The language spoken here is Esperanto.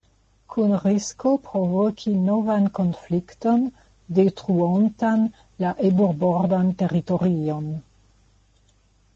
Kun risko provoki novan konflikton detruontan la eburbordan teritorion.